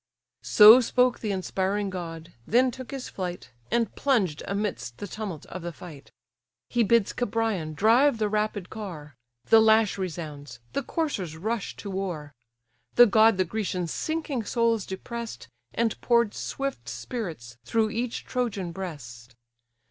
So spoke the inspiring god; then took his flight, And plunged amidst the tumult of the fight. He bids Cebrion drive the rapid car; The lash resounds, the coursers rush to war. The god the Grecians' sinking souls depress'd, And pour'd swift spirits through each Trojan breast.